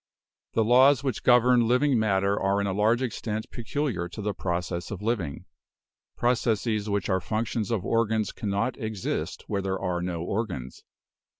"The laws which govern living matter are in a large extent peculiar to the process of living. Processes which are functions of organs cannot exist where there are no organs.